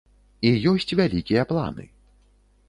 І ёсць вялікія планы.